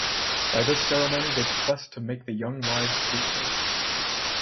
By this ceremony they professed to make the young wives fruitful.